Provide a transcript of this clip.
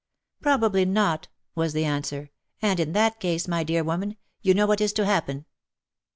" Probably not," was the answer, " and in that case, my dear woman, you know what is to happen.